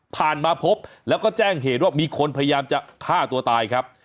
มาพบแล้วก็แจ้งเหตุว่ามีคนพยายามจะฆ่าตัวตายครับ